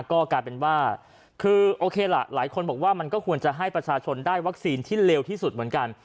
ก็กลายเป็นว่าคือโอเคล่ะหลายคนบอกว่ามันก็ควรจะให้ประชาชนได้วัคซีนที่เร็วที่สุดเหมือนกัน